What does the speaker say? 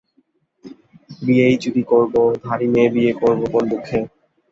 বিয়েই যদি করব, ধাড়ি মেয়ে বিয়ে করব কোন দুঃখে?